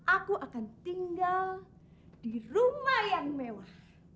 aku akan tinggal di rumah yang mewah